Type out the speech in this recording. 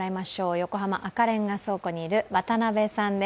横浜赤レンガ倉庫にいる渡部さんです。